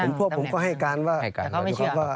คุณพวกผมก็ให้การว่าเขาไม่เชื่อ